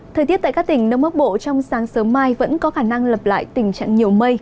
thời tiết tại các tỉnh đông bắc bộ trong sáng sớm mai vẫn có khả năng lập lại tình trạng nhiều mây